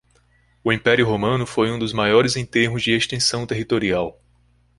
O Império Romano foi um dos maiores em termos de extensão territorial